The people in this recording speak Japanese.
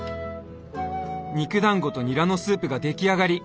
肉だんごとニラのスープが出来上がり。